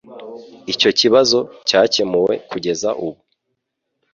Icyo kibazo cyakemuwe kugeza ubu